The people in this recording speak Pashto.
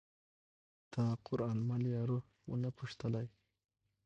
تا قران مل یارو ونه پوښتلئ